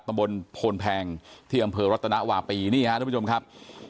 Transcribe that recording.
ตำบลโพนแพงที่อำเภอรัตนวาปีนี่ฮะทุกผู้ชมครับ